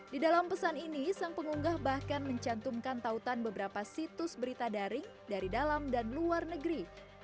di dalam pesan ini sang pengunggah bahkan mencantumkan tautan beberapa situs berita daring dari dalam dan luar negeri